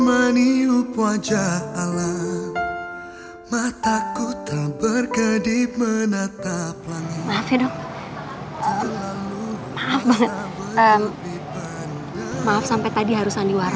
maaf sampe tadi harus andi waras seperti itu